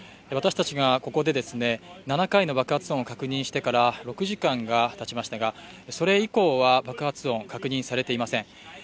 私たちがここで７回の爆発音を確認してから６時間がたちましたが、それ以降は爆発音、確認されていません。